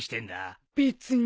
別に。